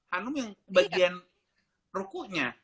hanum yang bagian rukunya